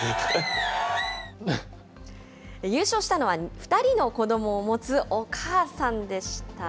優勝したのは、２人の子どもを持つお母さんでした。